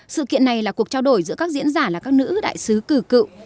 sự kiện này là cuộc trao đổi giữa các diễn giả là các nữ đại sứ cử cựu